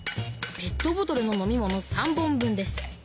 ペットボトルの飲み物３本分です。